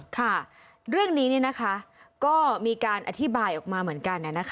ค่ะเรื่องนี้ก็มีการอธิบายออกมาเหมือนกัน